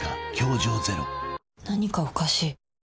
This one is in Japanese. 何かおかしい。